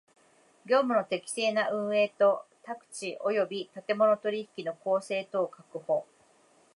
業務の適正な運営と宅地及び建物の取引の公正とを確保